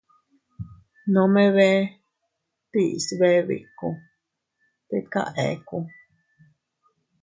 Nome bee tiis bee biku, tika eku.